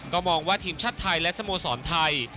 ก็มองว่าทีมชาติไทยและสโมสรไทย